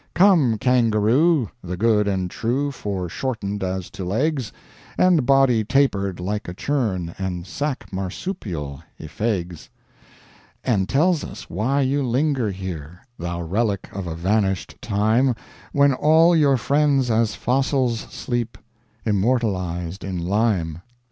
"Come, Kangaroo, the good and true Foreshortened as to legs, And body tapered like a churn, And sack marsupial, i' fegs, "And tells us why you linger here, Thou relic of a vanished time, When all your friends as fossils sleep, Immortalized in lime!"